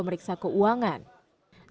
bersama pusat pelayanan dan pembangunan